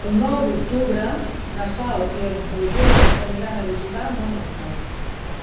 El nou d'octubre na Sol i en Roger aniran a visitar mon oncle.